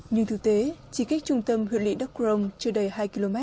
nhưng thực tế chỉ cách trung tâm huyện lị đắk crong chưa đầy hai km